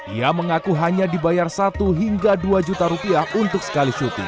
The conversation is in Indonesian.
ia mengaku hanya dibayar satu hingga dua juta rupiah untuk sekali syuting